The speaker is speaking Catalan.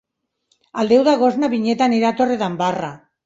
El deu d'agost na Vinyet anirà a Torredembarra.